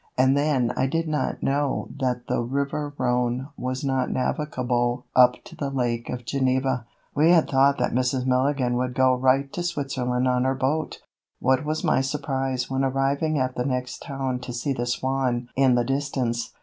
And then I did not know that the river Rhone was not navigable up to the Lake of Geneva. We had thought that Mrs. Milligan would go right to Switzerland on her boat. What was my surprise when arriving at the next town to see the Swan in the distance.